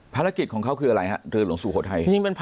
ภารกิจของเขาคืออะไรฮะเรือหลวงสุโขทัย